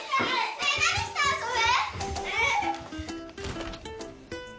・ねえ何して遊ぶ？